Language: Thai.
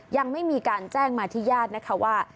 ยังไม่มีการแจ้งมาที่ญาตินะคะว่า